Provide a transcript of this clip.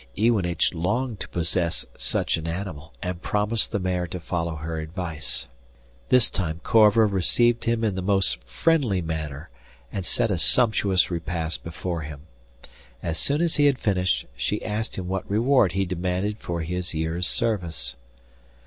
Iwanich longed to possess such an animal, and promised the mare to follow her advice. This time Corva received him in the most friendly manner, and set a sumptuous repast before him. As soon as he had finished she asked him what reward he demanded for his year's service.